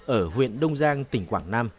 ở huyện đông giang tỉnh quảng nam